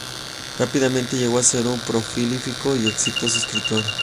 Rápidamente llegó a ser un prolífico y exitoso escritor.